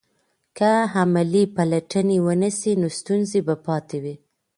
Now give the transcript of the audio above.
که عملي پلټنې ونه سي نو ستونزې به پاتې وي.